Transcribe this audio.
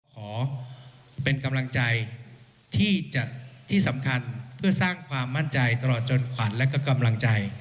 ขอเป็นกำลังใจที่สำคัญเพื่อสร้างความมั่นใจตลอดจนขวัญและกำลังใจ